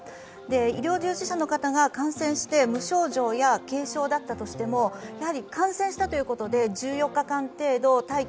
医療従事者の方が感染して無症状や軽症だったとしても、感染したということで１４日間程度待機